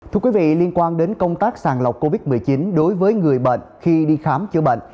thưa quý vị liên quan đến công tác sàng lọc covid một mươi chín đối với người bệnh khi đi khám chữa bệnh